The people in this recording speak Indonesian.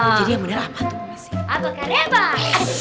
apa karirnya pak